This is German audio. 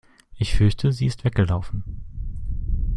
Ich fürchte, sie ist weggelaufen.